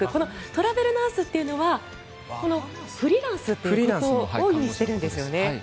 トラベルナースというのはフリーランスということを意味しているんですよね。